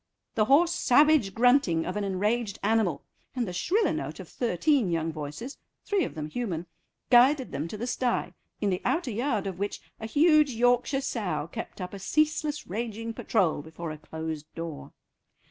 The hoarse savage grunting of an enraged animal and the shriller note of thirteen young voices, three of them human, guided them to the stye, in the outer yard of which a huge Yorkshire sow kept up a ceaseless raging patrol before a closed door.